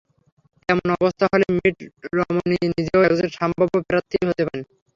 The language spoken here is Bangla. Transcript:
তেমন অবস্থা হলে মিট রমনি নিজেও একজন সম্ভাব্য প্রার্থী হতে পারেন।